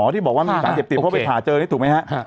ที่บอกว่าไม่มีสารเสพติดเพราะไปผ่าเจอนี่ถูกไหมฮะ